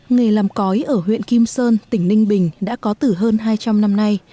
nghề làm cói ở huyện kim sơn tỉnh ninh bình đã có từ hơn hai trăm linh năm nay